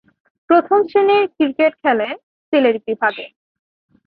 প্রথম শ্রেণীর ক্রিকেট খেলেন সিলেট বিভাগে।